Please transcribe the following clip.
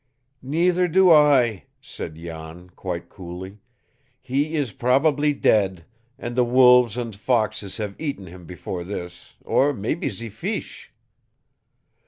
"Neither do I," said Jan quite coolly. "He is probably dead, and the wolves and foxes have eaten him before this or mebby ze feesh!"